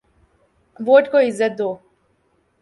Vote کو عزت دو۔